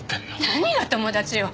何が友達よ。